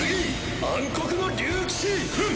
暗黒の竜騎士！